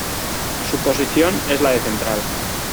Su posición es la de central.